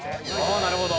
なるほど。